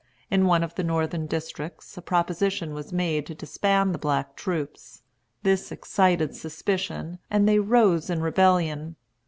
In one of the northern districts a proposition was made to disband the black troops. This excited suspicion, and they rose in rebellion.